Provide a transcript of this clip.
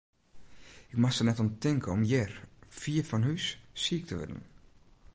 Ik moast der net oan tinke om hjir, fier fan hús, siik te wurden.